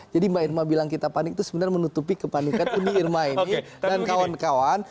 jadi mbak irma bilang kita panik itu sebenarnya menutupi kepanikan ini irma ini dan kawan kawan